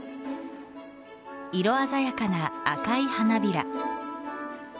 色鮮やかな紅い花びら。